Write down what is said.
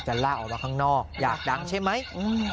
ลากออกมาข้างนอกอยากดังใช่ไหม